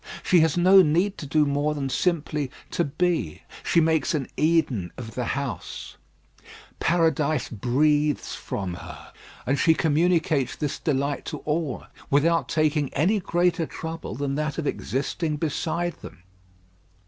She has no need to do more than simply to be: she makes an Eden of the house; Paradise breathes from her; and she communicates this delight to all, without taking any greater trouble than that of existing beside them.